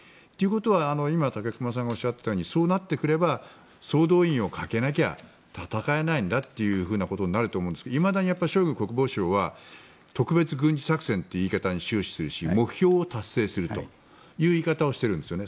つまり、今武隈さんが言ったようにそうなってくれば総動員をかけなきゃ戦えないんだということになると思うんですがいまだにショイグ国防相は特別軍事作戦という言い方に終始するし目標を達成するという言い方をしているんですよね。